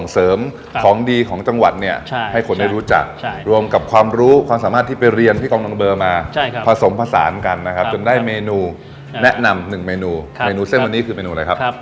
สามารถที่ไปเรียนพี่กองนังเบอร์มาผสมผสานกันนะครับจนได้เมนูแนะนำหนึ่งเมนูเส้นวันนี้คือเมนูอะไรครับ